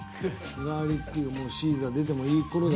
ガーリックシーザー出てもいいころや。